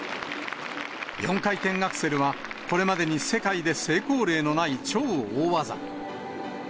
４回転アクセルは、これまでに世界で成功例のない超大技。